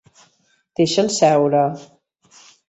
Deixa'ns seure.